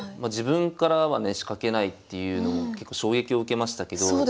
自分からはね仕掛けないというのも結構衝撃を受けましたけど